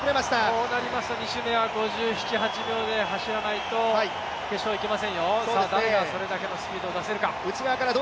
こうなりますと、２周目は５７、５８秒で走らないと決勝は行けませんよ、誰がそれだけのスピードを出せるか。